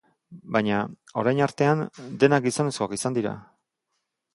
Baina, orain artean, denak gizonezkoak izan dira.